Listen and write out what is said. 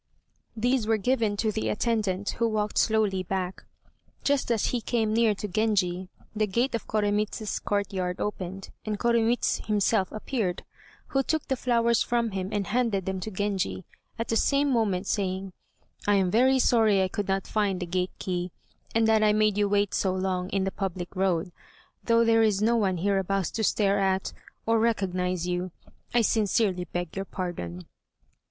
These were given to the attendant, who walked slowly back. Just as he came near to Genji, the gate of Koremitz's courtyard opened and Koremitz himself appeared, who took the flowers from him and handed them to Genji, at the same moment saying, "I am very sorry I could not find the gate key, and that I made you wait so long in the public road, though there is no one hereabouts to stare at, or recognize you, I sincerely beg your pardon."